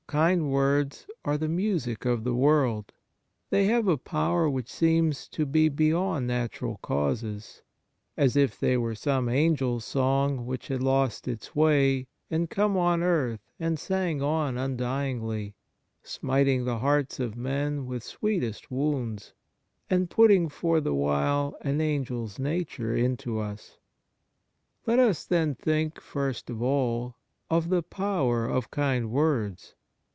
Kind words are the music of the world. They have a power which seems to be beyond natural causes, as if they were some Angel's song w^hich had lost its way and come on earth and sang on undyingly, smiting the hearts of men with sw^eetest wounds, and putting for the while an Angel's nature into us. Let us then think, first of all, of the power of kind words.